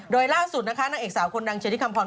โดยล่าสุดนะคะนางเอกสาวคนดังเชธิคำพร